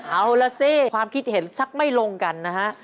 เอาล่ะสิความคิดเห็นสักไม่ลงกันนะฮะ